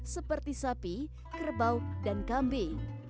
seperti sapi kerbau dan kuda